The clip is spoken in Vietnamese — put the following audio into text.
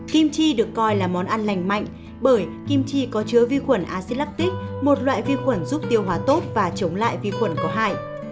kim chi được coi là món ăn lành mạnh bởi kim chi có chứa vi khuẩn acid lacic một loại vi khuẩn giúp tiêu hóa tốt và chống lại vi khuẩn có hại